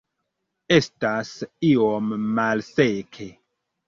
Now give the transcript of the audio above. Estas iom malseke